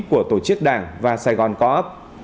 của tổ chức đảng và sài gòn co op